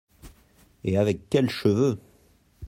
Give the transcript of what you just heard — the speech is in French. Et avec quels cheveux !